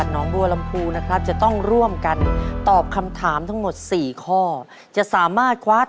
ต่อครูสองข้อรับหนึ่งหมื่นบาท